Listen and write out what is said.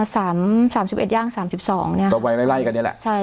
สามสามสิบเอ็ดย่างสามสิบสองเนี้ยก็วัยไล่ไล่กันนี่แหละใช่